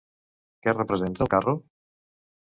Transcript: Què representa el carro?